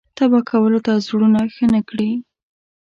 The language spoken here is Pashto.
تبا کولو ته زړونه ښه نه کړي.